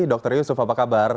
dr yusuf apa kabar